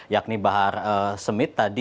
yakni bahar smith tadi